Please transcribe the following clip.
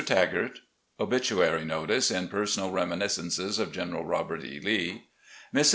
TAGART — OBITUARY NOTICE IN " PERSONAL REMINISCENCES OF GENERAL ROBERT E. lee" — MRS.